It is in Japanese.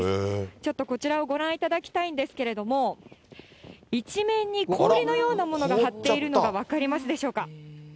ちょっとこちらをご覧いただきたいんですけれども、一面に氷のようなものが張っているのが分かりますでしょうか。